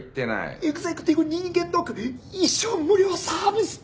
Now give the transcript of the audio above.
エグゼクティブ人間ドック一生無料サービスって。